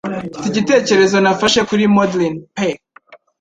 Mfite igitekerezo nafashe kuri Maudlin pe